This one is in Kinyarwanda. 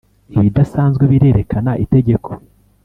ibidasanzwe birerekana itegeko.